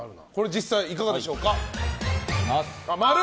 実際、いかがでしょうか？